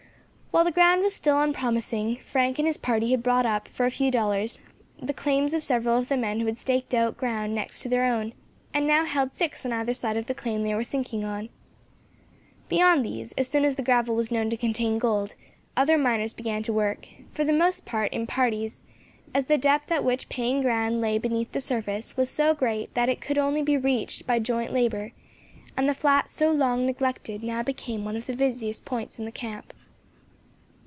While the ground was still unpromising, Frank and his party had bought up, for a few dollars, the claims of several of the men who had staked out ground next to their own, and now held six on either side of the claim they were sinking on. Beyond these, as soon as the gravel was known to contain gold, other miners began to work for the most part in parties, as the depth at which paying ground lay beneath the surface was so great that it could only be reached by joint labour and the flat so long neglected now became one of the busiest points in the camp.